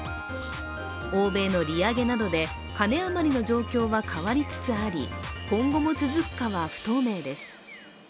欧米の利上げなどで金余りの状況は変わりつつあり今後も続くかは不透明です。